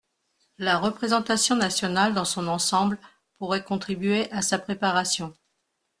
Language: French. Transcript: La représentation nationale dans son ensemble pourrait contribuer à sa préparation.